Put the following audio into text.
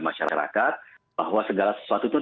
masyarakat bahwa segala sesuatu itu